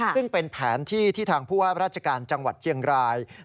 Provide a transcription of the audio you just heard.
ซึ่งเป็นแผนที่ที่ทางผู้ว่าราชการจังหวัดเชียงราย